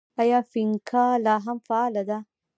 آیا فینکا لا هم فعاله ده؟